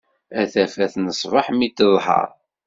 A tafat n ṣbeḥ mi d-teḍher.